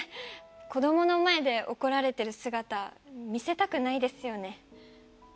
子どもの前で怒られてる姿見せたくないですよね。